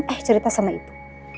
eh cerita sama ibu